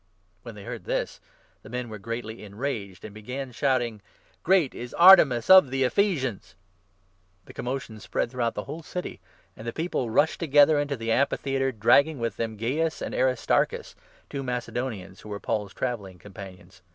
When they heard this, the men were greatly enraged, and 28 began shouting —" Great is Artemis of the Ephesians !" The 29 commotion spread through the whole city, and the people rushed together into the amphitheatre, dragging with them Gaius and Aristarchus, two Macedonians who were Paul's travelling companions.